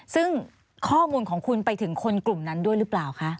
ซึ่งข้อมูลของคุณไปถึงคนกลุ่มนั้นด้วยหรือเปล่าคะ